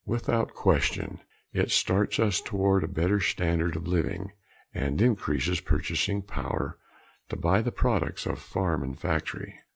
Without question it starts us toward a better standard of living and increases purchasing power to buy the products of farm and factory.